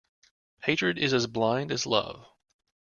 Hatred is as blind as love.